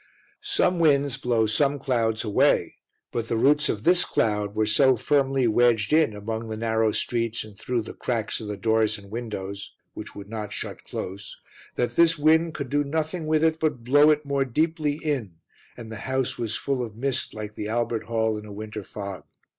Some winds blow some clouds away, but the roots of this cloud were so firmly wedged in among the narrow streets and through the cracks of the doors and windows, which would not shut close, that this wind could do nothing with it but blow it more deeply in and the house was full of mist like the Albert Hall in a winter fog.